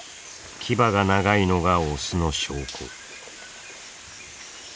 牙が長いのがオスの証拠。